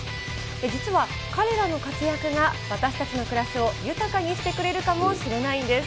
実は彼らの活躍が私たちの暮らしを豊かにしてくれるかもしれないんです。